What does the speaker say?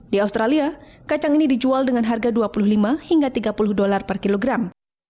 di australia kacang ini dijual dengan harga dua puluh lima hingga tiga puluh dolar per kilogram